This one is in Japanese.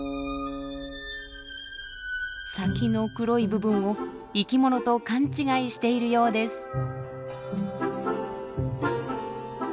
先の黒い部分を生き物と勘違いしているようです。